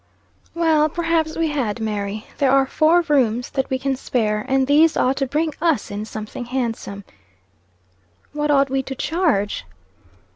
"Well, perhaps we had, Mary. There are four rooms that we can spare; and these ought to bring us in something handsome." "What ought we to charge?"